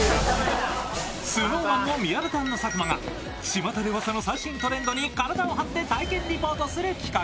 ＳｎｏｗＭａｎの宮舘＆佐久間がちまたでうわさの最新トレンドに体を張って体験リポートするこの企画。